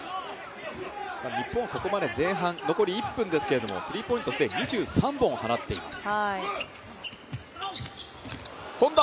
日本はここまで前半、残り１分ですけど、スリーポイント、既に２３本、放っています。